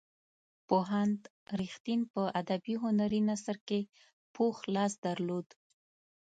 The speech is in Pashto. پوهاند رښتین په ادبي هنري نثر کې پوخ لاس درلود.